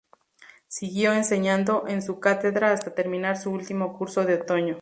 Siguió enseñando en su cátedra hasta terminar su último curso de otoño.